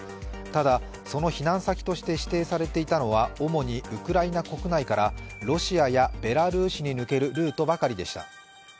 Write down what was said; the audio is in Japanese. ただ、その避難先として指定されていたのは、主にウクライナ国内からロシアやベラルーシに抜けるルートばかりでした。